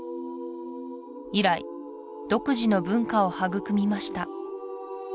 以来独自の文化を育みました